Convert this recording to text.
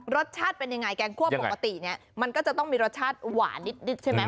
รสชาติเป็นยังไงแกงคั่วปกติเนี่ยมันก็จะต้องมีรสชาติหวานนิดใช่ไหม